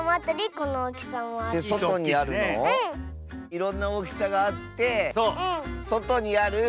いろんなおおきさがあってそとにある。